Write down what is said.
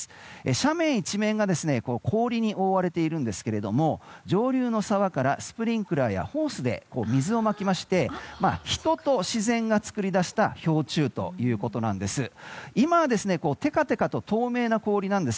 斜面一面が氷に覆われているんですけれども上流の沢からスプリンクラーやホースで水をまきまして人と自然が作り出した氷柱ということなんです。